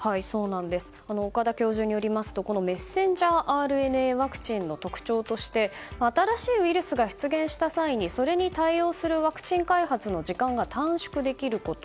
岡田教授によりますとメッセンジャーＲＮＡワクチンの特徴として新しいウイルスが出現した際にそれに対応するワクチン開発の時間が短縮できること。